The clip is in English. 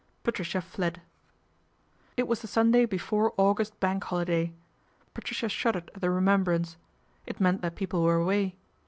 Patricia fled. It was the Sunday before August Bank Holiday. Patricia shuddered at the remembrance. It meant that people were away.